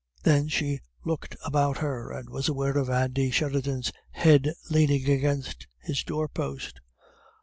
Then she looked about her, and was aware of Andy Sheridan's head leaning against his doorpost.